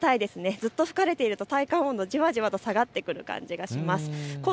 ずっと吹かれていると体感温度じわじわと下がってくる感じがします。